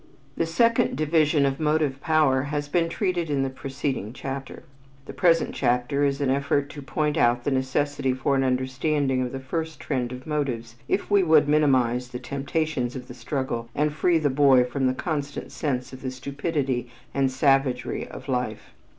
The second division of motive power has been treated in the preceding chapter. The present chapter is an effort to point out the necessity for an understanding of the first trend of motives if we would minimize the temptations of the struggle and free the boy from the constant sense of the stupidity and savagery of life.